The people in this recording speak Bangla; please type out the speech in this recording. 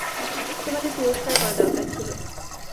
তোমাদের তিরস্কার করা দরকার ছিল।